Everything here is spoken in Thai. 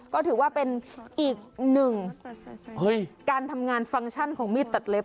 ก็ถือว่าเป็นอีกหนึ่งการทำงานฟังก์ชั่นของมีดตัดเล็บ